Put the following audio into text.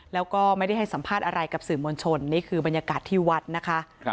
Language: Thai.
แล้วก็ไม่ได้ให้สัมภาษณ์อะไรกับสื่อมวลชนนี่คือบรรยากาศที่วัดนะคะ